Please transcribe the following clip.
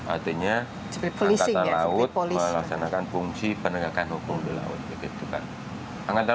artinya angkatan laut melaksanakan fungsi penegakan hukum di laut